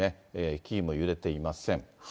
木々も揺れていません。